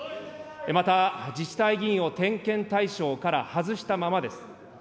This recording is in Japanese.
また自治体議員を点検対象から外したままです。